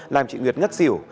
làm chị nguyệt ngất xỉu